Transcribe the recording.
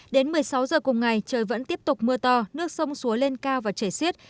đến một mươi sáu giờ cùng ngày trời vẫn tiếp tục mưa to nước sông suối lên cao và chảy xiết